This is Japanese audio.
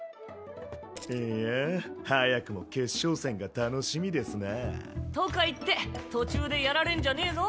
いや早くも決勝戦が楽しみですなぁ。とか言って途中でやられんじゃねぇぞ。